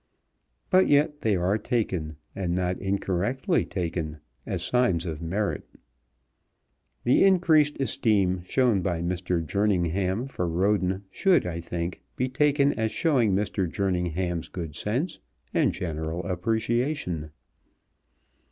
But yet they are taken, and not incorrectly taken, as signs of merit. The increased esteem shown by Mr. Jerningham for Roden should, I think, be taken as showing Mr. Jerningham's good sense and general appreciation.